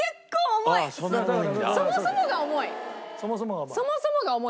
そもそもが重い。